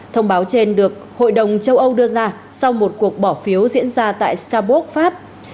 thông báo trên được hội đồng châu âu đưa ra sau một cuộc bỏ phiếu diễn ra tại saburg pháp